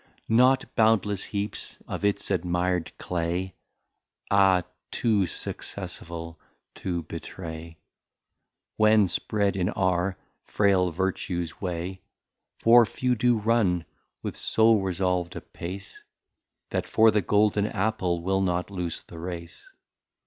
II. Not boundless Heaps of its admired Clay, } Ah, too successful to betray, } When spread in our fraile Vertues way: } For few do run with so Resolv'd a Pace, That for the Golden Apple will not loose the Race.